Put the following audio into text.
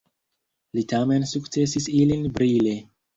Li tamen sukcesis ilin brile.